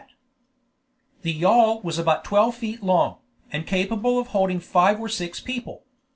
The yawl was about twelve feet long, and capable of holding five or six people.